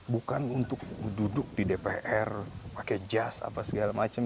bukan untuk duduk di dpr pakai jas apa segala macam